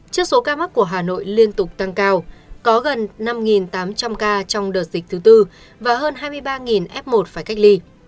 trước số ca mắc của hà nội liên tục tăng cao có gần năm tám trăm linh ca trong đợt dịch thứ tư và hơn hai mươi ba f một phải cách ly